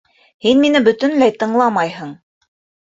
Һин мине бөтөнләй тыңламайһың!